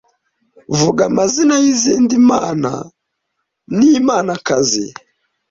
Vuga amazina y’izindi mana n’imanakazi